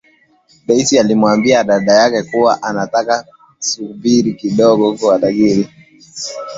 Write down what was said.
Daisy alimwambia dada yake kuwa anataka kusubiri kidogo hakuwa tayari tena kwa upasuaji